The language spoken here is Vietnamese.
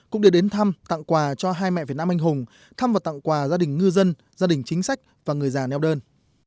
cũng để đến thăm tặng quà cho hai mẹ việt nam anh hùng thăm và tặng quà gia đình ngư dân gia đình chính sách và người già neo đơn